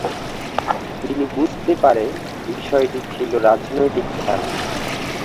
তিনি বুঝতে পারে বিষয়টি ছিল রাজনৈতিক খেলা।